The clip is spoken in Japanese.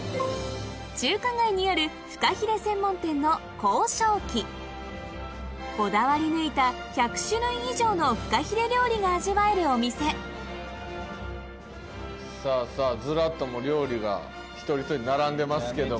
中華街にあるフカヒレ専門店のこだわり抜いた１００種類以上のフカヒレ料理が味わえるお店さぁさぁずらっともう料理が一人一人並んでますけども。